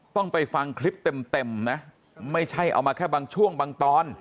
ต้องไปฟังคลิปเต็มนะไม่ใช่เอามาแค่บางช่วงบางตอน